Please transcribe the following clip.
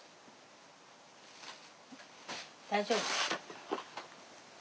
大丈夫。